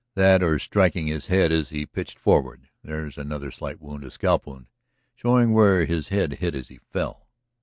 That or striking his head as he pitched forward; there's another slight wound, a scalp wound, showing where his head hit as he fell."